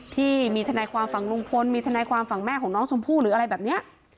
ที่มีทนายความฝั่งลุงพลมีทนายความฝั่งแม่ของน้องชมพู่หรืออะไรแบบนี้